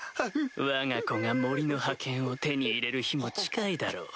わが子が森の覇権を手に入れる日も近いだろう。